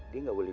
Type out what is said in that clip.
dia gak boleh